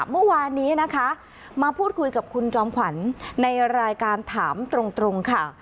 เมื่อวานนี้นะคะมาพูดคุยกับคุณจอมขวัญในรายการถามตรงค่ะ